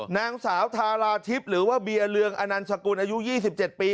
นางสาวทาราทิพย์หรือว่าเบียร์เรืองอนันสกุลอายุ๒๗ปี